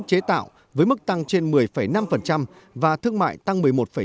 chế tạo với mức tăng trên một mươi năm và thương mại tăng một mươi một bảy